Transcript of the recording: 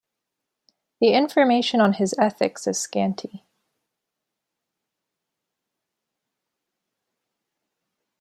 The information on his Ethics is scanty.